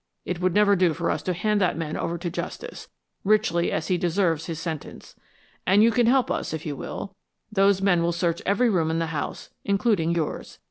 "It would never do for us to hand that man over to justice, richly as he deserves his sentence. And you can help us if you will. Those men will search every room in the house, including yours.